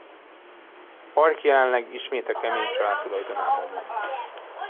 A park jelenleg ismét a Kemény család tulajdonában van.